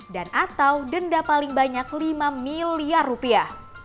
dan atau denda paling banyak lima miliar rupiah